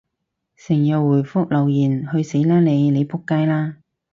成日回覆留言，去死啦你！你仆街啦！